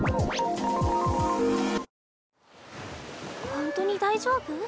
ほんとに大丈夫？